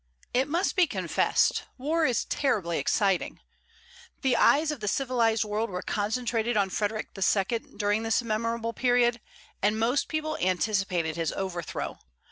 It must be confessed, war is terribly exciting. The eyes of the civilized world were concentrated on Frederic II. during this memorable period; and most people anticipated his overthrow.